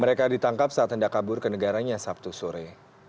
mereka ditangkap saat hendak kabur ke negaranya sabtu sore